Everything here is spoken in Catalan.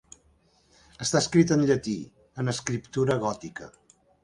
Està escrit en llatí, en escriptura gòtica.